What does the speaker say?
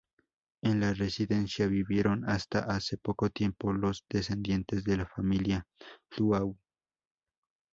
En la residencia vivieron hasta hace poco tiempo los descendientes de la familia Duhau.